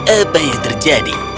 apa yang terjadi